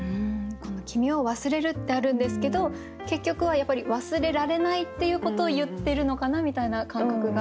「君を忘れる」ってあるんですけど結局はやっぱり忘れられないっていうことを言ってるのかなみたいな感覚がありました。